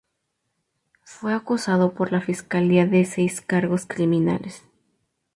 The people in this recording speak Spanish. Fue acusado por la fiscalía de seis cargos criminales.